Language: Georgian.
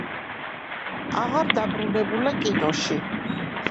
აღარ დაბრუნებულა კინოში.